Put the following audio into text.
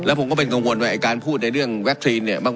แล้วผมก็เป็นกังวลว่าการพูดในเรื่องแวคซีน